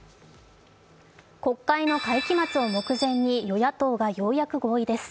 国会の会期末を目前に与野党がようやく合意です。